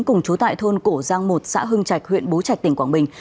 cùng chú tại thôn cổ giang một xã hưng trạch huyện bố trạch tỉnh quảng bình